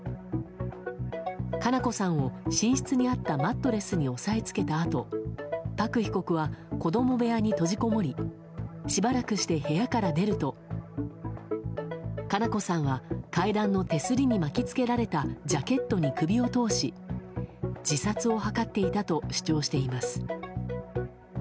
佳菜子さんを、寝室にあったマットレスに押さえつけたあとパク被告は子供部屋に閉じこもりしばらくして部屋から出ると佳菜子さんは、階段の手すりに巻き付けられたジャケットに首を通し、自殺を図っていたと主張しています。